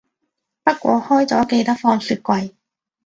不過開咗記得放雪櫃